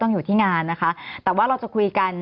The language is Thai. อยู่ที่งานนะคะแต่ว่าเราจะคุยกัน